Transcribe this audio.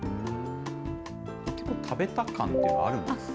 結構食べた感というのはあるんですか。